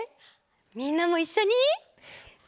みんなもいっしょに！